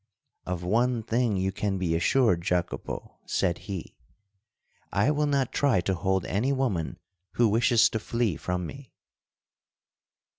"Of one thing you can be assured, Jacopo," said he—"I will not try to hold any woman who wishes to flee from me."